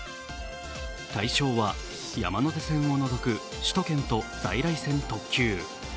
対象は山手線を除く首都圏と在来線特急。